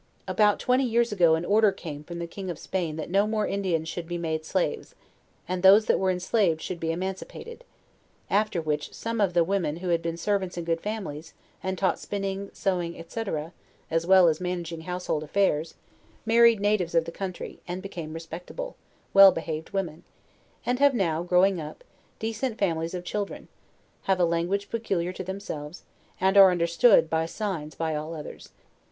About twenty years ago an order came from the king of Spain that no more Indians should be made slaves^ and those that were enslaved should be emancipated; after which some of the wcmen who had been servants in good families, and taught spinning, sewing, &c. as well as managing household affairs, married natives of the country, and become respectable, well behaved women, and have now, growing up, decent families of children: have a language peculiar Lo themselves, and are understood, by signs, by all others.